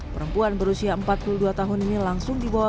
perempuan berusia empat puluh dua tahun ini langsung dibawa